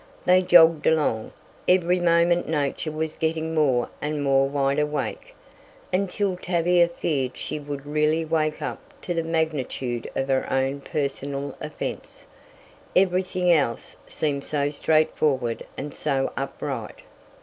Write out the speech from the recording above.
They jogged along every moment nature was getting more and more wideawake, until Tavia feared she would really wake up to the magnitude of her own personal offence, everything else seemed so straightforward and so upright!